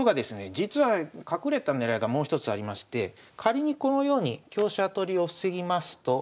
実は隠れた狙いがもう一つありまして仮にこのように香車取りを防ぎますと。